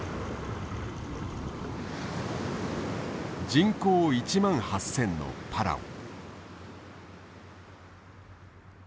人口１万８，０００のパラオ。